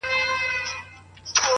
• غلیم ته غشی تر دوست قربان یم -